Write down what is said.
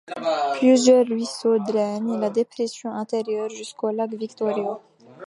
Plusieurs ruisseaux drainent la dépression intérieure jusqu'au lac Victoria.